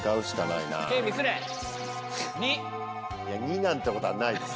いや２なんてことはないですよ。